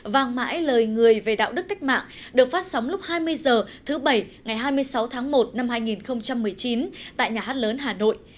vàng mãi lời người về đạo đức cách mạng được phát sóng lúc hai mươi h thứ bảy ngày hai mươi sáu tháng một năm hai nghìn một mươi chín tại nhà hát lớn hà nội